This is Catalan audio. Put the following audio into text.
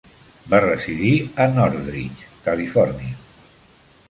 Va residir a Northridge, Califòrnia.